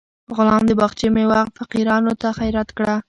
غلام د باغچې میوه فقیرانو ته خیرات کړه.